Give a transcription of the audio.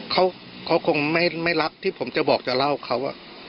เขาคงไม่รักที่ผมจะบอกจะเล่าเขา